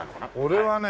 俺はね